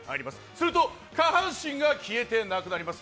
すると下半身が消えてなくなります。